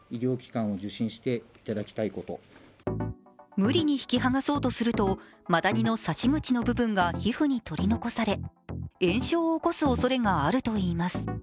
無理に引き剥がそうとすると、マダニの刺し口の部分が皮膚に取り残され炎症を起こすおそれがあるといいます。